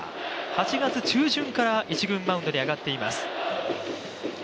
８月中旬から１軍マウンドに上がっています。